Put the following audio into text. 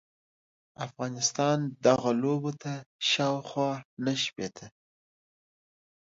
افغانستان دغو لوبو ته شاوخوا نهه شپیته ل